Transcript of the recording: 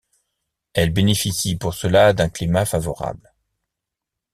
Elle bénéficie pour cela d'un climat favorable.